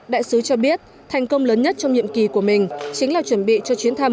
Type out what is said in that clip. đại sứ cho biết thành công lớn nhất trong nhiệm kỳ của mình chính là chuẩn bị cho chuyến thăm